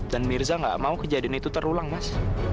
dan mirza gak mau kejadian itu terulang mas